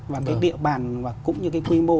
và cái địa bàn cũng như cái quy mô